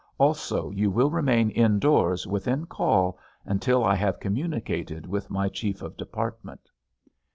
Also you will remain indoors, within call, until I have communicated with my chief of department."